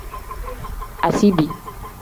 Asiibi.